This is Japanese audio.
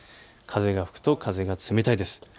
風が吹くと風が冷たいです。